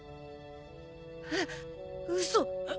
えっ嘘。